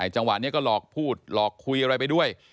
จังหวะนี้ก็หลอกพูดหลอกคุยอะไรไปด้วย